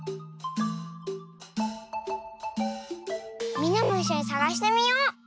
みんなもいっしょにさがしてみよう！